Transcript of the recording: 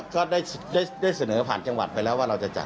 ก็ได้เสนอผ่านจังหวัดไปแล้วว่าเราจะจัด